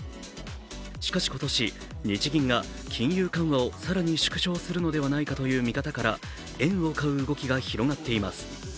しかし今年、日銀が金融緩和を更に縮小するのではないかという見方から円を買う動きが広がっています。